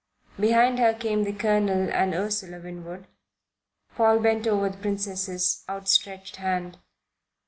Behind her came the Colonel and Ursula Winwood. Paul bent over the Princess's, outstretched hand.